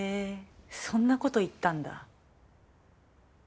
そんな事言ったんだ。